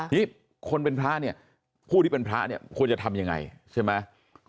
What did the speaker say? ทีนี้คนเป็นพระเนี่ยผู้ที่เป็นพระเนี่ยควรจะทำยังไงใช่ไหม